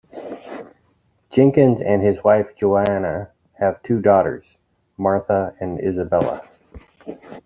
Jenkins and his wife Joanna have two daughters, Martha and Isabella.